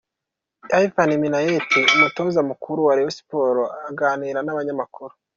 Ivan Minaert Umutoza mukuru wa Rayon Sports aganira n'abanyamakuru.